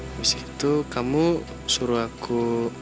habis itu kamu suruh aku